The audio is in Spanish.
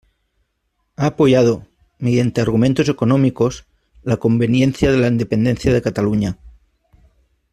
Ha apoyado, mediante argumentos económicos, la conveniencia de la independencia de Cataluña.